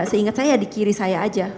seingat saya di kiri saya aja